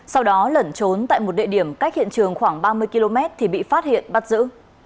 sau đó lẩn trốn tại một địa điểm cách hiện trường khoảng ba mươi km thì bị phát hiện bắt giữ